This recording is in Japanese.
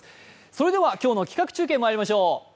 それでは今日の企画中継まいりましょう。